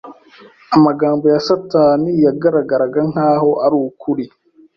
Amagambo ya Satani yagaragaraga nk’aho ari ukuri,